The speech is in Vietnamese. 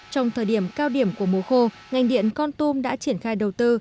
trong thời điểm cao điểm của mùa khô ngành điện con tum đã triển khai đầu tư